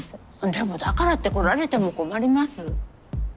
でもだからって来られても困ります。